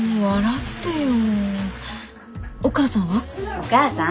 お母さん？